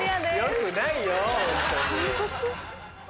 良くないよホントに。